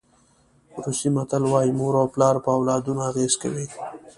روسي متل وایي مور او پلار په اولادونو اغېزه کوي.